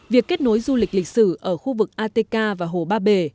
việc kết nối du lịch lịch sử ở khu vực atk và hồ ba bể